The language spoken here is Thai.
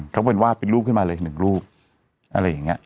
เขาเป็นวาดเป็นรูปขึ้นมาเลยอีกหนึ่งรูปอะไรอย่างนี้